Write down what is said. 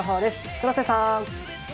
黒瀬さん。